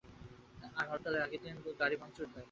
আর হরতালের আগের দিন গাড়ি ভাঙচুর আর অগ্নিসংযোগ হবে কেন?